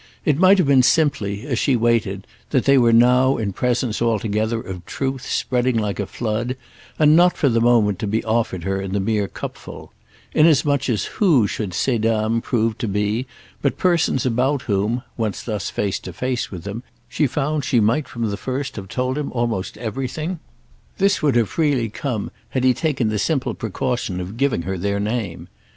It might have been simply, as she waited, that they were now in presence altogether of truth spreading like a flood and not for the moment to be offered her in the mere cupful; inasmuch as who should ces dames prove to be but persons about whom—once thus face to face with them—she found she might from the first have told him almost everything? This would have freely come had he taken the simple precaution of giving her their name.